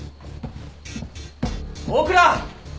大倉！